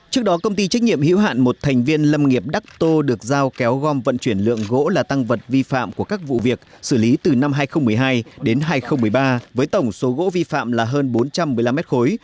trước đó công ty trách nhiệm hữu hạn một thành viên lâm nghiệp đắc tô được giao kéo gom vận chuyển lượng gỗ là tăng vật vi phạm của các vụ việc xử lý từ năm hai nghìn một mươi hai đến hai nghìn một mươi ba với tổng số gỗ vi phạm là hơn bốn trăm một mươi năm mét khối